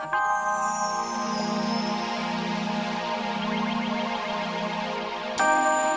terima kasih bapak